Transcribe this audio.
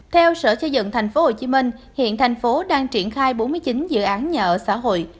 theo sở chế dựng thành phố hồ chí minh hiện thành phố đang triển khai bốn mươi chín dự án nhà ở xã hội